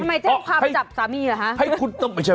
ทำไมจะพาไปจับสามีเหรอฮะ